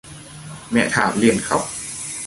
Mẹ Thảo liền khóc